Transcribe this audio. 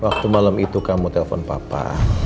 waktu malam itu kamu telpon papa